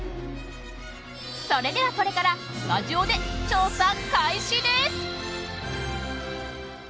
それでは、これからスタジオで調査開始です！